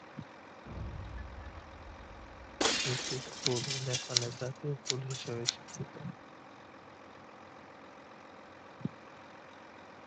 এটির ফুল নেপালে জাতীয় ফুল হিসেবে স্বীকৃত।